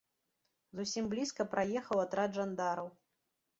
Зусім блізка праехаў атрад жандараў.